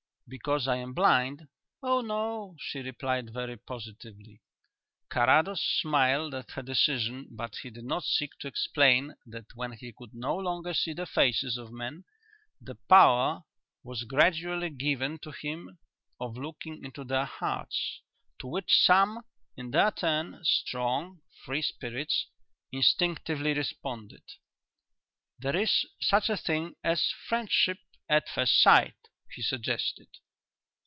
"Because I am blind?" "Oh no," she replied very positively. Carrados smiled at her decision but he did not seek to explain that when he could no longer see the faces of men the power was gradually given to him of looking into their hearts, to which some in their turn strong, free spirits instinctively responded. "There is such a thing as friendship at first sight," he suggested.